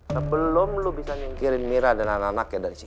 sebelum lo bisa singkirin mirah dan anak anaknya dari sini